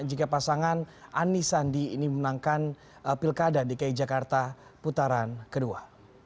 jika pasangan anies sandi ini memenangkan pilkada dki jakarta putaran kedua